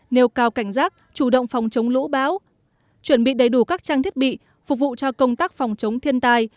nêu cao cảnh giác chủ động phòng chống lũ bão chuẩn bị đầy đủ các trang thiết bị phục vụ cho công tác phòng chống thiên tai